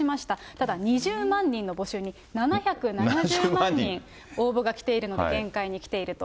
ただ２０万人の募集に７７０万人応募が来ているので、限界に来ていると。